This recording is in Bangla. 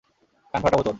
কান ফাটাবো তোর!